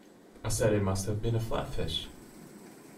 I said it must have been a flatfish.